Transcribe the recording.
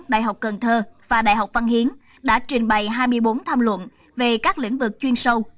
đại học cần thơ và đại học văn hiến đã trình bày hai mươi bốn tham luận về các lĩnh vực chuyên sâu